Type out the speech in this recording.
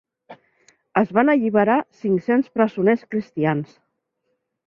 Es van alliberar cinc-cents presoners cristians.